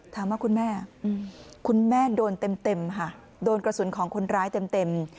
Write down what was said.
ถามว่าคุณแม่คุณแม่โดนเต็มค่ะโดนกระสุนของคนร้ายเต็ม